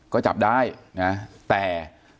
ก็จับได้นะแต่